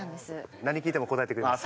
何聞いても答えてくれます。